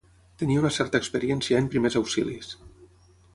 Tenia una certa experiència en primers auxilis